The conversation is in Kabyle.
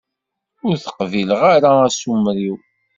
Ur teqbileḍ ara asumer-iw?